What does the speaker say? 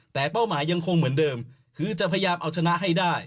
แต่เป้าหมายยังคงเหมือนเดิมคือจะพยายามเอาชนะให้ได้